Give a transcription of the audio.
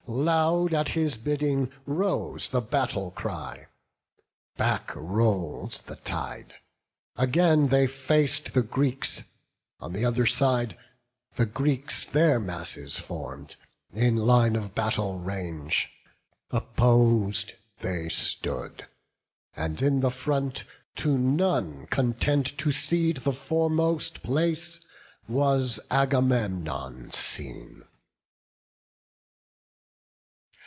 Loud, at his bidding, rose the battle cry; Back roll'd the tide; again they fac'd the Greeks: On th' other side the Greeks their masses form'd, In line of battle rang'd; opposed they stood; And in the front, to none content to cede The foremost place, was Agamemnon seen.